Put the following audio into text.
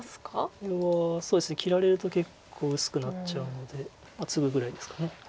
これは切られると結構薄くなっちゃうのでツグぐらいですか。